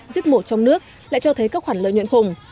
giết mổ trong nước lại cho thấy các khoản lợi nhuận khủng